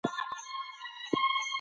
له فرصتونو ګټه پورته کړئ.